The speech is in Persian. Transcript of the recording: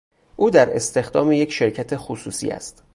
او در استخدام یک شرکت خصوصی است.